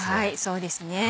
そうですね。